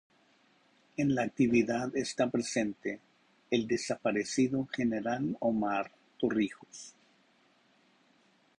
En la actividad está presente el desaparecido General Omar Torrijos.